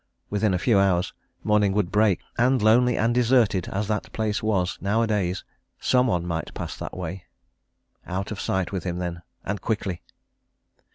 Within a few hours, morning would break, and lonely and deserted as that place was nowadays, some one might pass that way. Out of sight with him, then! and quickly.